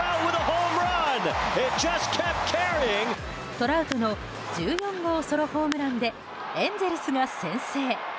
トラウトの１４号ソロホームランでエンゼルスが先制。